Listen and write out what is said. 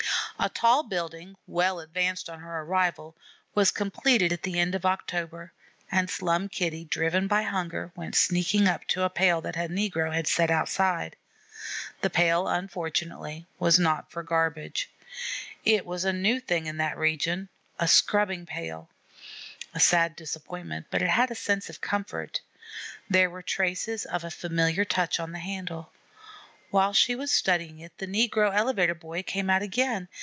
A tall building, well advanced on her arrival, was completed at the end of October, and Slum Kitty, driven by hunger, went sneaking up to a pail that a negro had set outside. The pail, unfortunately, was not for garbage; it was a new thing in that region: a scrubbing pail. A sad disappointment, but it had a sense of comfort there were traces of a familiar touch on the handle. While she was studying it, the negro elevator boy came out again.